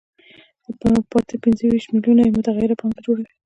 پاتې پنځه ویشت میلیونه یې متغیره پانګه جوړوي